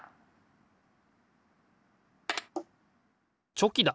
チョキだ！